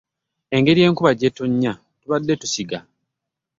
Engeri enkuba gy'etonnya tubadde tusiga.